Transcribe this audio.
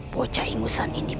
bocah ingusan ini